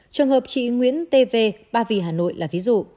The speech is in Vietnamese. trường hợp chị nguyễn t v ba vì hà nội là ví dụ